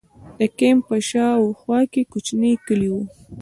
د کمپ په شا او خوا کې کوچنۍ کلي وو.